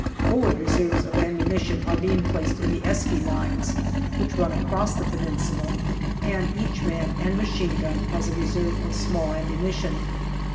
Forward reserves of ammunition are being placed in the Eski Lines, which run across the Peninsula, and each man and machine gun has a reserve of small ammunition.